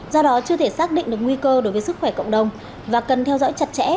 do đó chưa thể xác định được nguy cơ đối với sức khỏe cộng đồng và cần theo dõi chặt chẽ